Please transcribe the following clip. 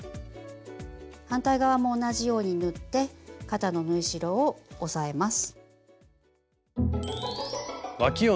反対側も同じように縫って肩の縫い代を押さえます。